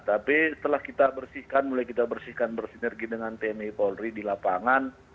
tapi setelah kita bersihkan mulai kita bersihkan bersinergi dengan tni polri di lapangan